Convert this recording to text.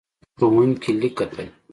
ښوونکی لیک کتل.